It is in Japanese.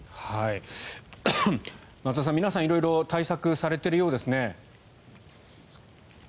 松田さん、皆さん色々対策されているようですね。